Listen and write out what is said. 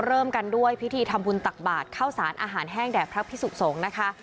เริ่มกันด้วยพิธีทำบุญตักบาทเข้าสารอาหารแห้งแด่พระพิสุสงฆ์นะคะ